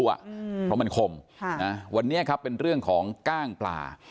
อืมเพราะมันขมค่ะนะวันนี้ครับเป็นเรื่องของก้างปลา